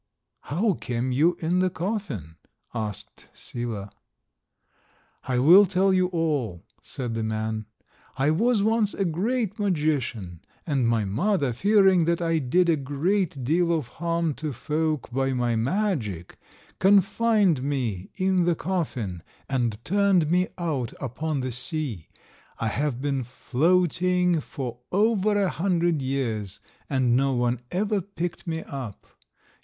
"How came you in the coffin?" asked Sila. "I will tell you all," said the man. "I was once a great magician, and my mother, fearing that I did a great deal of harm to folk by my magic, confined me in the coffin, and turned me out upon the sea. I have been floating for over a hundred years, and no one ever picked me up.